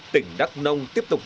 tỉnh đắk nông tiếp tục